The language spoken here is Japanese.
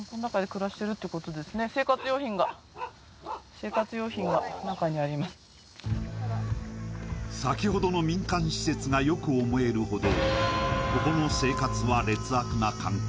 「さわやかパッド」先ほどの民間施設がよく思えるほどここの生活は劣悪な環境。